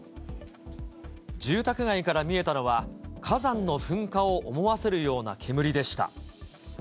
住宅街から見えたのは、火山の噴火を思わせるような煙でした。